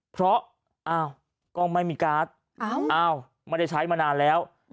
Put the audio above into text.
เพราะกล้องไม่มีการ์ดไม่ได้ใช้มานานแล้ว